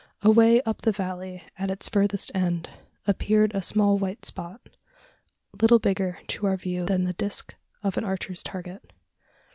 Away up the valley, at its furthest end, appeared a small white spot little bigger to our view than the disc of an archer's target.